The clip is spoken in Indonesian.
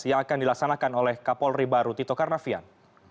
yang akan dilaksanakan oleh kapal rih baru tito karnavian